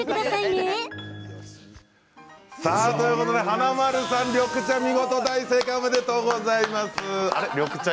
ということで華丸さん緑茶、見事大正解おめでとうございます。